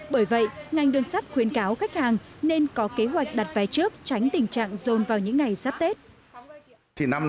bởi vậy ngành đường sắt khuyên cáo khách hàng nên có kế hoạch đặt vé trước tránh tình trạng rôn vài